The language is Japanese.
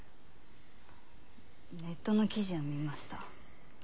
ネットの記事は見ました。